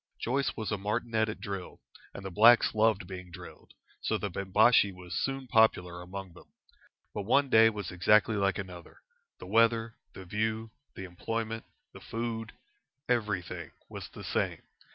Joyce was a martinet at drill, and the blacks loved being drilled, so the Bimbashi was soon popular among them. But one day was exactly like another. The weather, the view, the employment, the food everything was the same.